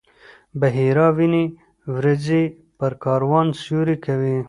بحیرا ویني وریځې پر کاروان سیوری کوي.